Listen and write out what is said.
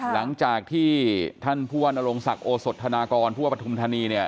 หลังจากที่ท่านผู้ว่านรงศักดิ์โอสธนากรผู้ว่าปฐุมธานีเนี่ย